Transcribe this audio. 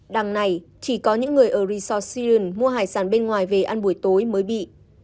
đằng này chỉ có những người ở resort syrien mua hải sản bên ngoài về ăn buổi tối mới bị